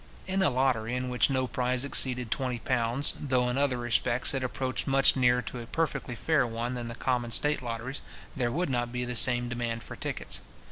In a lottery in which no prize exceeded twenty pounds, though in other respects it approached much nearer to a perfectly fair one than the common state lotteries, there would not be the same demand for tickets.